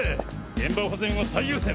現場保全を最優先。